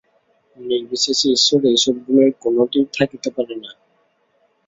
নির্বিশেষ ঈশ্বরের এইসব গুণের কোনটিই থাকিতে পারে না।